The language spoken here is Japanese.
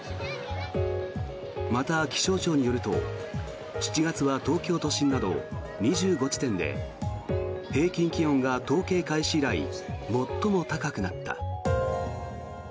また、気象庁によると７月は東京都心など２５地点で平均気温が統計開始以来最も高くなった。